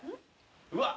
うわっ。